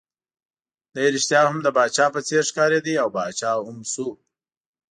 دی ريښتیا هم د پاچا په څېر ښکارېد، او پاچا هم شو.